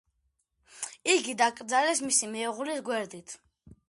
იგი დაკრძალეს მისი მეუღლის გვერდით.